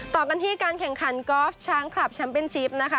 ต่อกันที่การแข่งขันกอล์ฟช้างคลับแชมป์เป็นชิปนะคะ